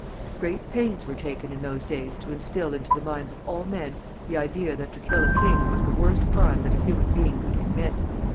Great pains were taken in those days to instill into the minds of all men the idea that to kill a king was the worst crime that a human being could commit.